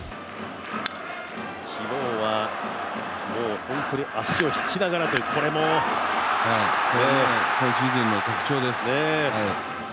昨日はもう本当に足を引きながらという今シーズンの特徴です。